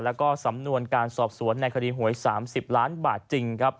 และสำนวนการสอบสวนในคดีหวย๓๐ล้านบาทจริง